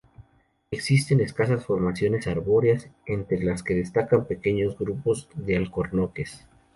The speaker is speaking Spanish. Existen escasas formaciones arbóreas, entre las que destacan pequeños grupos de alcornoques.